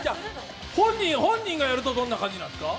本人がやるとどんな感じなんですか。